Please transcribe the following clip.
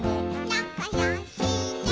「なかよしね」